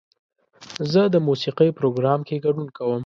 زه د موسیقۍ پروګرام کې ګډون کوم.